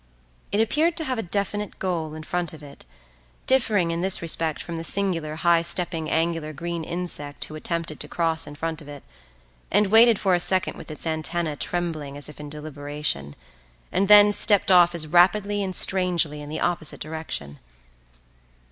It appeared to have a definite goal in front of it, differing in this respect from the singular high stepping angular green insect who attempted to cross in front of it, and waited for a second with its antenna trembling as if in deliberation, and then stepped off as rapidly and strangely in the opposite direction.